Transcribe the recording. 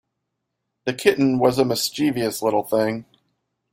The kitten was a mischievous little thing.